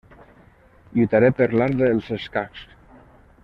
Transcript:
Lluitaré per l'art dels escacs.